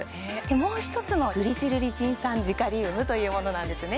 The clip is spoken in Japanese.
もう一つのグリチルリチン酸ジカリウムというものなんですね